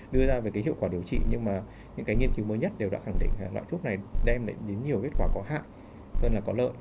đưa ra về cái hiệu quả điều trị nhưng mà những cái nghiên cứu mới nhất đều đã khẳng định loại thuốc này đem lại đến nhiều kết quả có hại rất là có lợi